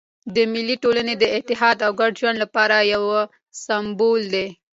مېلې د ټولني د اتحاد او ګډ ژوند له پاره یو سېمبول دئ.